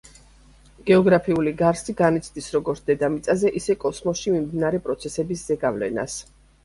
გეოგრაფიული გარსი განიცდის როგორც დედამიწაზე, ისე კოსმოსში მიმდინარე პროცესების ზეგავლენას.